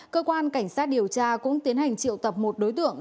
cơ quan cảnh sát điều tra cũng tiến hành triệu tập một đối tượng